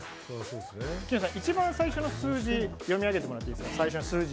きむさん、一番最初の数字を読み上げてもらっていいですか。